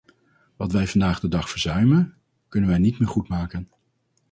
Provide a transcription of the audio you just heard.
Wat wij vandaag de dag verzuimen, kunnen wij niet meer goedmaken.